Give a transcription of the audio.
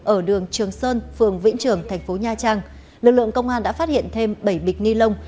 ở đường trường sơn phường vĩnh trường thành phố nha trang lực lượng công an đã phát hiện thêm bảy bịch ni lông